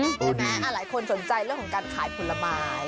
รู้ไหมหลายคนสนใจเรื่องของการขายผลไม้